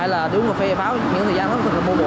hay là đứng vào phía pháo những thời gian rất là bổ bổ